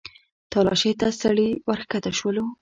تلاشۍ ته ستړي ورښکته شولو.